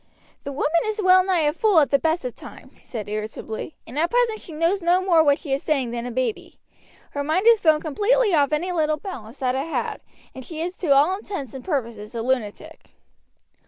"The woman is well nigh a fool at the best of times," he said irritably, "and at present she knows no more what she is saying than a baby. Her mind is thrown completely off any little balance that it had and she is to all intents and purposes a lunatic."